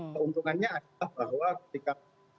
keuntungannya adalah bahwa ketika